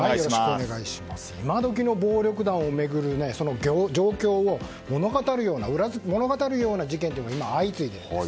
今どきの暴力団を巡る状況を物語るような事件が今起きてるんです。